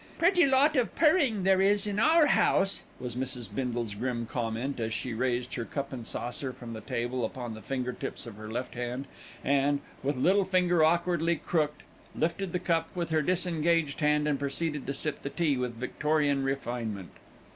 "Pretty lot of purring there is in our house," was Mrs. Bindle's grim comment, as she raised her cup and saucer from the table upon the finger tips of her left hand and, with little finger awkwardly crooked, lifted the cup with her disengaged hand and proceeded to sip the tea with Victorian refinement.